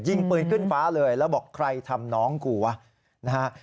ยิงปืนขึ้นฟ้าเลยแล้วบอกใครทำน้องกูวะนะฮะ